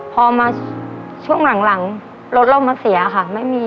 พอมาช่วงหลังรถเรามาเสียค่ะไม่มี